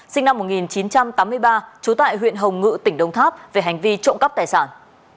sinh năm một nghìn chín trăm tám mươi ba trú tại huyện hồng ngự tỉnh đông tháp về hành vi trộm cắp tài sản